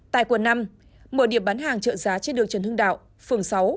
tại quận năm mở điểm bán hàng trợ giá trên đường trần hưng đạo phường sáu